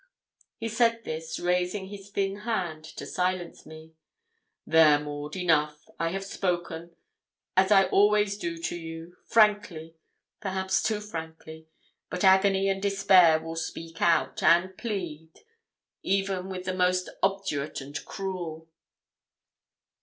He said this, raising his thin hand to silence me. 'There, Maud, enough. I have spoken, as I always do to you, frankly, perhaps too frankly; but agony and despair will speak out, and plead, even with the most obdurate and cruel.'